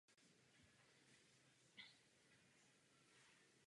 Evan vyrostl mimo Filadelfii.